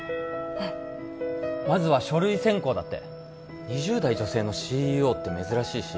うんまずは書類選考だって２０代女性のＣＥＯって珍しいし